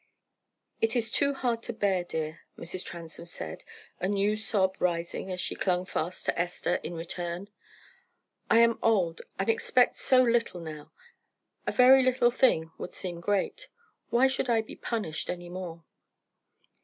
"It is too hard to bear, dear," Mrs. Transome said, a new sob rising as she clung fast to Esther in return. "I am old, and expect so little now a very little thing would seem great. Why should I be punished any more?"